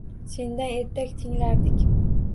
Sendan ertak tinglardik